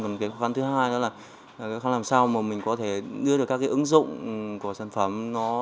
còn cái khó khăn thứ hai đó là khó khăn làm sao mà mình có thể đưa được các cái ứng dụng của sản phẩm